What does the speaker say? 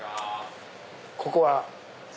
ここは。